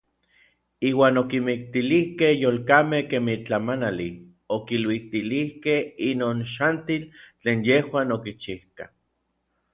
Iuan okimiktilijkej yolkamej kemij tlamanali, okiluitilijkej inon xantil tlen yejuan okichijkaj.